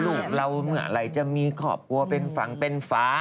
ลูกเราเมื่อไหร่จะมีครอบครัวเป็นฝั่งเป็นฟ้า